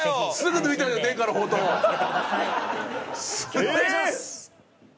曲お願いします。